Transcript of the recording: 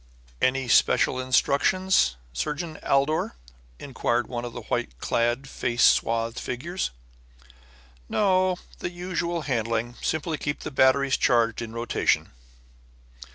"Any special instructions, Surgeon Aldor?" inquired one of the white clad, face swathed figures. "No. The usual handling. Simply keep the batteries charged in rotation."